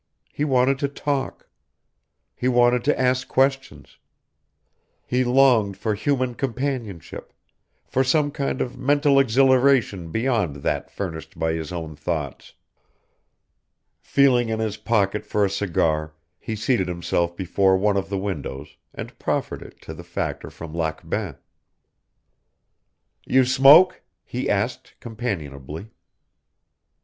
He wanted to talk. He wanted to ask questions. He longed for human companionship, for some kind of mental exhilaration beyond that furnished by his own thoughts. Feeling in his pocket for a cigar he seated himself before one of the windows and proffered it to the factor from Lac Bain. "You smoke?" he asked companionably.